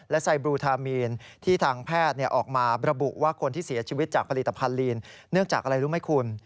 ไซบลูทามีนที่ทางแพทย์ออกมาระบุว่าคนที่เสียชีวิตจากผลิตภัณฑลีนเนื่องจากอะไรรู้ไหมคุณ